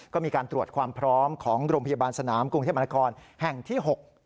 ก็มีการตรวจความพร้อมของโรงพยาบาลสนามกรุงเทพมนาคมแห่งที่๖